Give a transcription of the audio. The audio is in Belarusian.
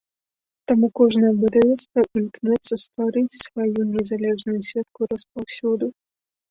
Таму кожнае выдавецтва імкнецца стварыць сваю незалежную сетку распаўсюду.